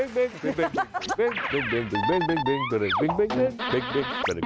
คุณเหมือนลำหน้า